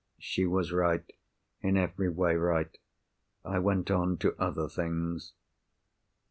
She was right—in every way, right. I went on to other things.